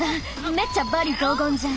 めっちゃ罵詈雑言じゃん。